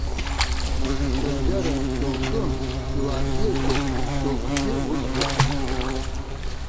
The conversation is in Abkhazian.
Рыбжьара шьоукы, иуаа бзиақәоуп, шьоукгьы ус иҟам.